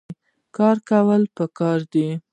کار کول پکار دي